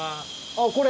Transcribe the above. あっこれ？